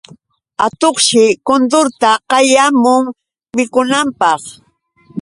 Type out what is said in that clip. Atuqshi kuturta qayamun mikunanpaq.